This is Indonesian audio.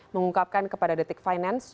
mengungkapkan kepada detik finance